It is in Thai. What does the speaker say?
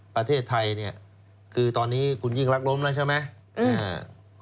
ประเทศไทยเนี่ยคือตอนนี้คุณยิ่งรักล้มแล้วใช่ไหม